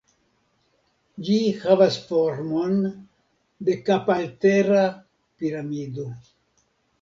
Ĝi havas formon de kapaltera piramido.